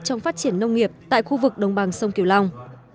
trong phát triển nông nghiệp tại khu vực đồng bằng sông kiều long